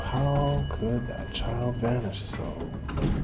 How could that child vanish so?"